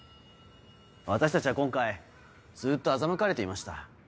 私たちは今回ずっと欺かれていました。